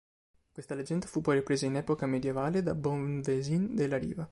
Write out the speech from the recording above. Questa leggenda fu poi ripresa in epoca medioevale da Bonvesin de la Riva.